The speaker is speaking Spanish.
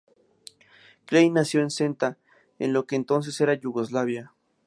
Klein nació en Senta, en lo que entonces era Yugoslavia.